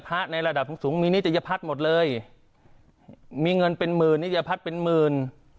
ในระดับสูงสูงมีนิตยพัฒน์หมดเลยมีเงินเป็นหมื่นนิยพัฒน์เป็นหมื่น